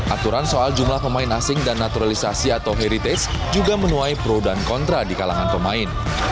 aturan soal jumlah pemain asing dan naturalisasi atau heritage juga menuai pro dan kontra di kalangan pemain